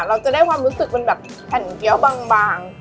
เราจะได้ความรู้สึกเป็นแบบแผ่นเกี้ยวบาง